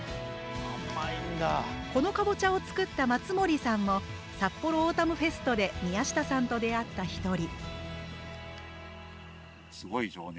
この南瓜を作った松森さんもさっぽろオータムフェストで宮下さんと出会った一人。